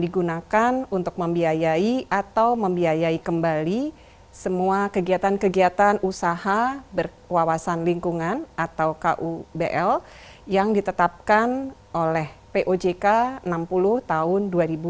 dan ini pun akan digunakan untuk membiayai atau membiayai kembali semua kegiatan kegiatan usaha berwawasan lingkungan atau kubl yang ditetapkan oleh pojk enam puluh tahun dua ribu tujuh belas